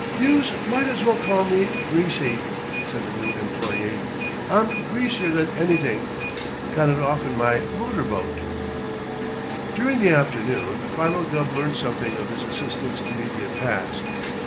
"Youse might as well call me Greasy," said the new employee. "I'm greasier than anything. Got it off'n my motor boat." During the afternoon Philo Gubb learned something of his assistant's immediate past.